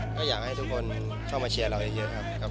ก็อยากให้ทุกคนเข้ามาเชียร์เราเยอะครับ